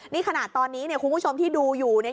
นี่ขนาดตอนนี้เนี่ยคุณผู้ชมที่ดูอยู่เนี่ย